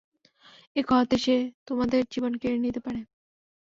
এক কথাতেই, সে তোমাদের জীবন কেড়ে নিতে পারে।